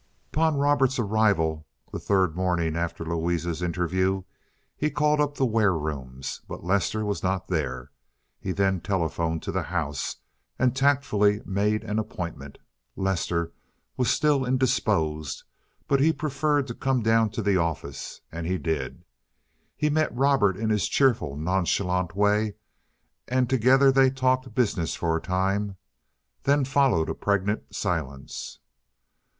Upon Robert's arrival, the third morning after Louise's interview, he called up the warerooms, but Lester was not there. He then telephoned to the house, and tactfully made an appointment. Lester was still indisposed, but he preferred to come down to the office, and he did. He met Robert in his cheerful, nonchalant way, and together they talked business for a time. Then followed a pregnant silence.